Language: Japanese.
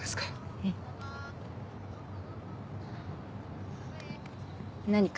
ええ。何か？